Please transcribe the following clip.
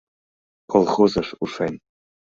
Колхозыш ушен.